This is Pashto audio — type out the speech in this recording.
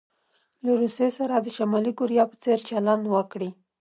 له روسيې سره د شمالي کوریا په څیر چلند وکړي.